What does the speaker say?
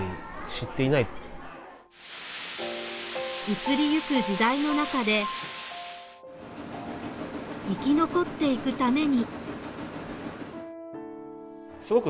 移りゆく時代の中で生き残っていくために。